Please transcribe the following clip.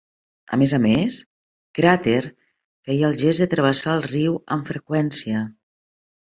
A més a més, Cràter feia el gest de travessar el riu amb freqüència.